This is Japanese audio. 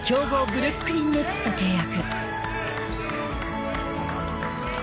ブルックリン・ネッツと契約。